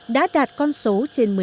đã đạt con số trên một mươi